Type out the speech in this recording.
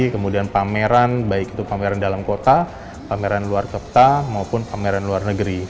kemudian pameran baik itu pameran dalam kota pameran luar kota maupun pameran luar negeri